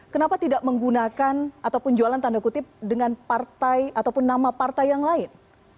kenapa tidak menggunakan ataupun jualan tanda kutip dengan partai ataupun nama partai yang lain